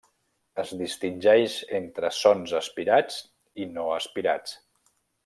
Es distingeix entre sons aspirats i no aspirats.